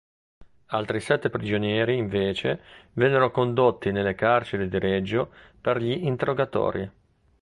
Altri sette prigionieri invece vennero condotti nelle carceri di Reggio per gli interrogatori.